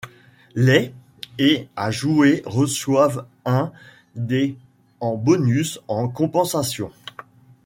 Les et à jouer reçoivent un dé en bonus en compensation.